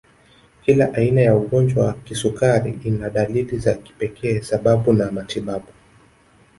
Kila aina ya ugonjwa wa kisukari ina dalili za kipekee sababu na matibabu